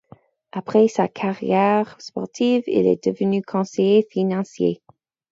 Après sa carrière sportive, il est devenu conseiller financier.